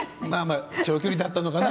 まあまあ長距離だったのかな？